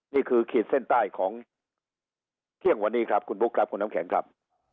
ขีดเส้นใต้ของเที่ยงวันนี้ครับคุณบุ๊คครับคุณน้ำแข็งครับ